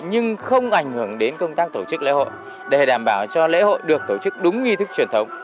nhưng không ảnh hưởng đến công tác tổ chức lễ hội để đảm bảo cho lễ hội được tổ chức đúng nghi thức truyền thống